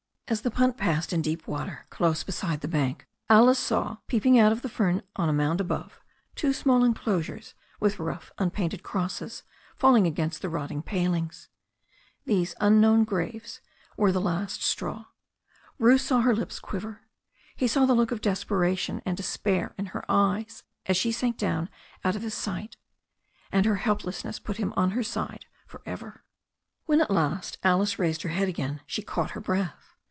As the punt passed in deep water close beside the bank Alice saw peeping out of the fern on a mound above two small enclosures with rough unpainted crosses falling against the rotting palings. Those unknown graves were THE STORY OF A NEW ZEALAND RIVER 21 the last straw. Bruce saw her lips quiver. He saw the look of desperation and despair in her eyes as she sank down out of his sight. And her helplessness put him on her side for ever. When, at last, Alice raised her head again, she caught her breath.